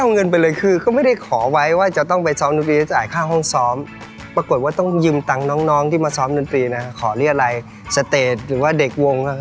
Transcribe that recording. น้องที่มาซ้อมหนึ่งปีนะขอเรียกอะไรสเตจหรือว่าเด็กวง